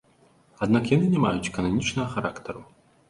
Аднак яны не маюць кананічнага характару.